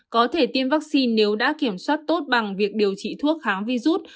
có thể tiêm vaccine nếu đã kiểm soát tốt bằng việc điều trị thuốc kháng virus